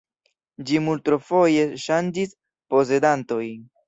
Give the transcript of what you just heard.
Ĝi multfoje ŝanĝis posedantojn.